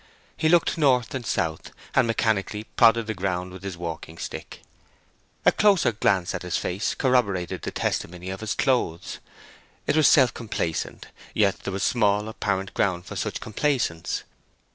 He looked north and south, and mechanically prodded the ground with his walking stick. A closer glance at his face corroborated the testimony of his clothes. It was self complacent, yet there was small apparent ground for such complacence.